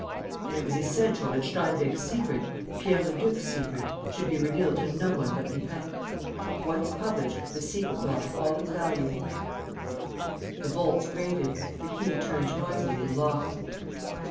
And it was essential that Steinweg's secret, Pierre Leduc's secret, should be revealed to no one but Lupin. Once published, the secret lost all its value. ... The bolts grated, the key turned noisily in the lock.